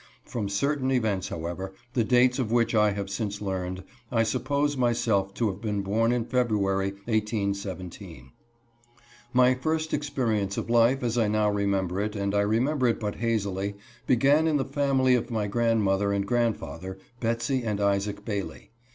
From certain events, however, the dates of which I have since learned, I suppose myself to have been born in February, 1817. My first experience of life, as I now remember it, and I remember it but hazily, began in the family of my grand mother and grandfather, Betsey and Isaac Bailey.